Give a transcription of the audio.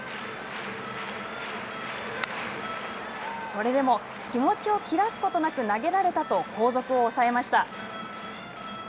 それでも「気持ちを切らすことなく投げられた」と後続を抑えました。